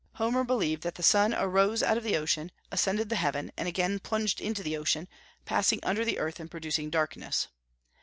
Homer believed that the sun arose out of the ocean, ascended the heaven, and again plunged into the ocean, passing under the earth, and producing darkness.